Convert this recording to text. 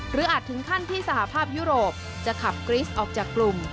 อาจถึงขั้นที่สหภาพยุโรปจะขับกริสต์ออกจากกลุ่ม